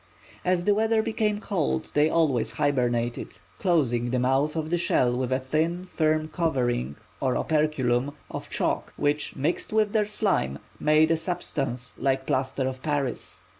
As the weather became cold they always hibernated, closing the mouth of the shell with a thin, firm covering, or operculum, of chalk, which, mixed with their slime, made a substance like plaster of Paris.